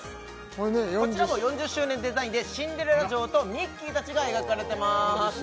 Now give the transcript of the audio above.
これねこちらも４０周年デザインでシンデレラ城とミッキーたちが描かれてます